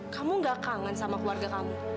kamu gak kangen sama keluarga kamu